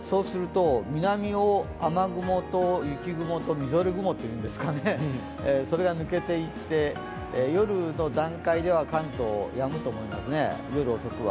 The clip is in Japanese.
南を雨雲と雪雲とみぞれ雲というんですかそれが抜けていって夜の段階では関東やむと思いますね、夜遅くは。